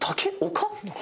丘？